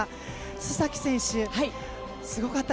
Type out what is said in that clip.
須崎選手、すごかった。